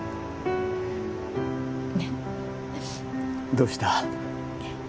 どうした？